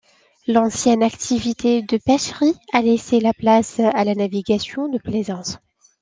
L'ancienne activité de pêcherie a laissé la place à la navigation de plaisance.